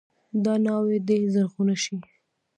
دا ناوې دې زرغونه شي.